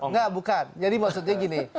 enggak bukan jadi maksudnya gini